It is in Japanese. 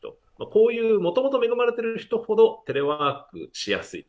こういうもともと恵まれている人ほどテレワークがしやすい。